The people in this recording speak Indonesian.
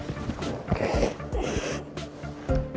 terima kasih dad